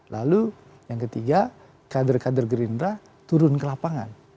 lalu yang ketiga kader kader gerindra turun ke lapangan